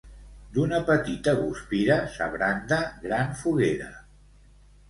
D'una petita guspira s'abranda gran foguera.